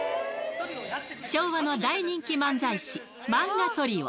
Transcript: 昭和の大人気漫才師、漫画トリオ。